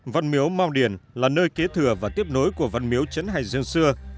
văn miếu mao điền là nơi kế thừa và tiếp nối của văn miếu chấn hải dương xưa